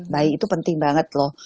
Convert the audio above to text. bayi itu penting banget loh